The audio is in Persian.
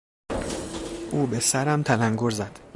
او به سرم تلنگر زد.